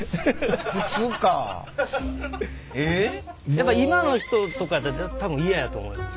やっぱ今の人とかやったら多分嫌やと思います。